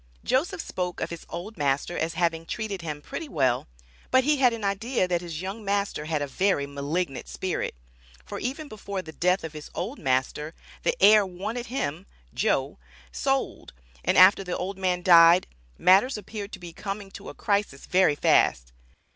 Joseph spoke of his old master as having treated him "pretty well," but he had an idea that his young master had a very "malignant spirit;" for even before the death of his old master, the heir wanted him, "Joe," sold, and after the old man died, matters appeared to be coming to a crisis very fast.